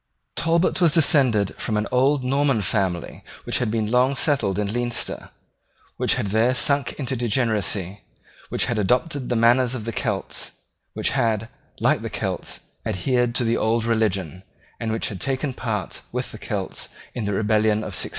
Talbot was descended from an old Norman family which had been long settled in Leinster, which had there sunk into degeneracy, which had adopted the manners of the Celts, which had, like the Celts, adhered to the old religion, and which had taken part with the Celts in the rebellion of 1641.